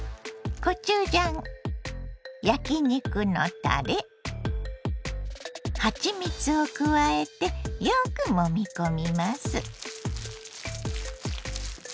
コチュジャン焼き肉のたれはちみつを加えてよくもみ込みます。